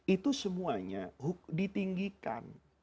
itu semuanya ditinggikan